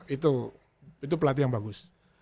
itu pelatih yang bagus